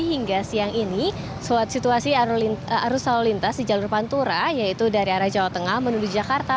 hingga siang ini situasi arus lalu lintas di jalur pantura yaitu dari arah jawa tengah menuju jakarta